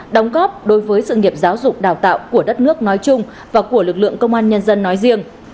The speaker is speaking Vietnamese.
đóng góp đối với sự nghiệp giáo dục đào tạo của đất nước nói chung và của lực lượng công an nhân dân nói riêng